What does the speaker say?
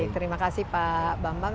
terima kasih pak bambang